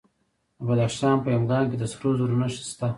د بدخشان په یمګان کې د سرو زرو نښې شته.